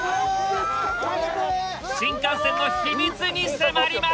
新幹線の秘密に迫ります！